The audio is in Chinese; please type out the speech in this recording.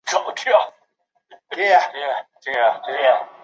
仁寿寺建于清朝乾隆二十六年。